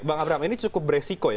bang abraham ini cukup beresiko ya